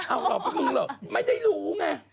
อ้าวหลอกปุ๊บมึงเหรอไม่ได้รู้ไง